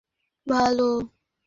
এটা আমার উপর ছেড়ে দাও।